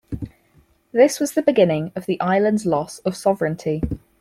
This was the beginning of the island's loss of sovereignty.